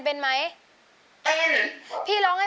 โทรหาคนรู้จัก